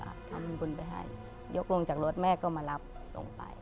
ทำบุญไปให้ยกลงจากรถแม่ก็มารับลงไป